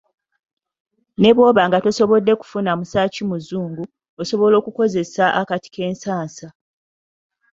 Ne bw'oba nga tosobodde kufuna muswaki muzungu, osobola okukozesa akati k'ensasa.